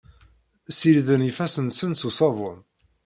Ssiriden ifassen-nsen s uṣabun.